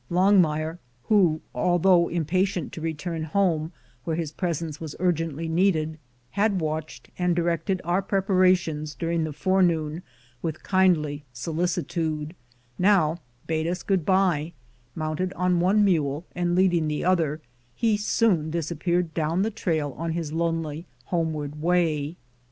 Longmire, who although impatient to return home, where his presence was urgently needed, had watched and directed our preparations during the forenoon with kindly solicitude, io8 FIRST SUCCESSFUL ASCEl^, 1870 now bade us good by : mounted on one mule and lead ing the other, he soon disappeared down the trail on his lonely, homeward way.